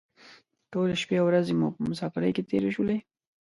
ټولې شپې او ورځې مو په مسافرۍ کې تېرې شولې.